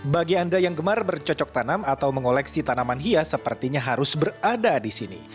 bagi anda yang gemar bercocok tanam atau mengoleksi tanaman hias sepertinya harus berada di sini